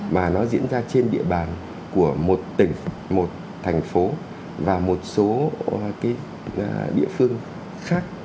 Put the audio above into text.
mà nó diễn ra trên địa bàn của một tỉnh một thành phố và một số địa phương khác